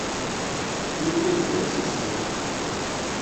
Yuba yebda yettmeslay.